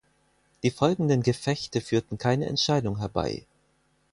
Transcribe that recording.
Die folgenden Gefechte führten keine Entscheidung herbei.